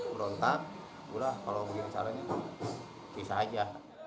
berontak ya kalau begini caranya bisa aja